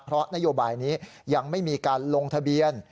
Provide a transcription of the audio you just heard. เพราะนโยบายนี้ยังไม่มีการลงทะเบียน